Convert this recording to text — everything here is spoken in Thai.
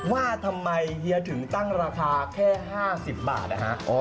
ว่าทำไมเฮียถึงตั้งราคาแค่๕๐บาทนะฮะ